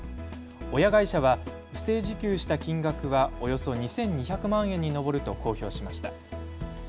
親会社は不正受給した金額はおよそ２２００万円に上ると公表しました。